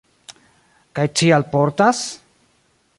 Kaj ci alportas?